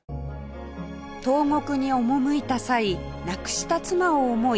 東国に赴いた際亡くした妻を思い